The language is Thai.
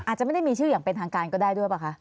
อาจจะไม่ได้มีชื่ออย่างเป็นทางการก็ได้ด้วยป่ะคะ